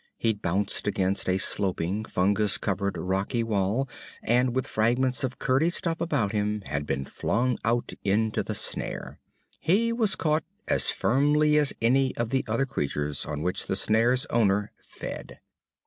He'd bounced against a sloping, fungus covered rocky wall and with fragments of curdy stuff about him had been flung out and into the snare. He was caught as firmly as any of the other creatures on which the snare's owner fed.